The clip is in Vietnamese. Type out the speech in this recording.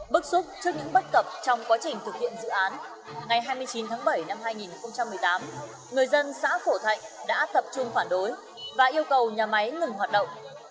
bức xúc trước những bất cập trong quá trình thực hiện dự án ngày hai mươi chín tháng bảy năm hai nghìn một mươi tám người dân xã phổ thạnh đã tập trung phản đối và yêu cầu nhà máy ngừng hoạt động